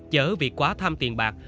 chở việc quá tham tiền bạc